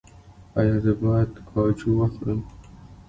ایا زه باید کاجو وخورم؟